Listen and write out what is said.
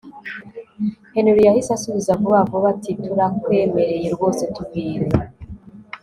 Henry yahise asubiza vuba vuba ati turakwemereye rwose tubwire